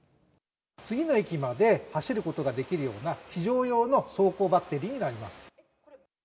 次の駅まで走ることができるような、非常用の走行バッテリーになります。